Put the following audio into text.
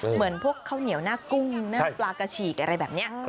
เหมือนพวกข้าวเหนียวหน้ากุ้งหน้าปลากระฉีกอะไรแบบนี้